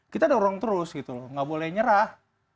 kita dorong terus gitu loh nggak boleh nyerah